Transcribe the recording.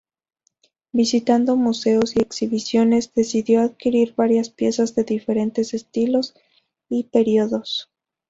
Visitando museos y exhibiciones, decidió adquirir varias piezas de diferentes estilos y periodos.